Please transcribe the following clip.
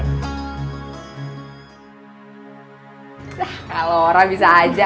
nah kak lora bisa aja